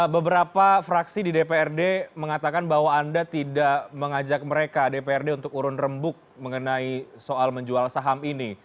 beberapa fraksi di dprd mengatakan bahwa anda tidak mengajak mereka dprd untuk urun rembuk mengenai soal menjual saham ini